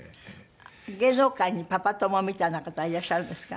芸能界にパパ友みたいな方はいらっしゃるんですか？